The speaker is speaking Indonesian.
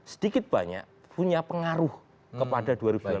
sedikit banyak punya pengaruh kepada dua ribu sembilan belas